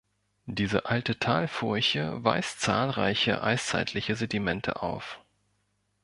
Diese alte Talfurche weist zahlreiche eiszeitliche Sedimente auf.